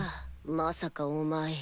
まさかお前。